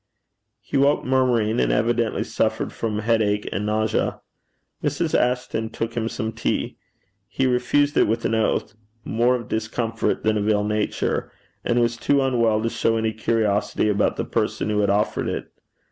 He woke murmuring, and evidently suffered from headache and nausea. Mrs. Ashton took him some tea. He refused it with an oath more of discomfort than of ill nature and was too unwell to show any curiosity about the person who had offered it.